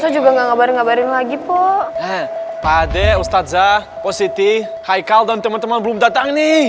juga nggak ngabarin ngabarin lagi poh pade ustadzah positi haikal dan teman teman belum datang nih